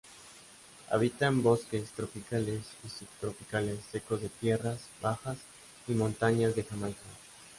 Habita en bosques tropicales y subtropicales secos de tierras bajas y montañas de Jamaica.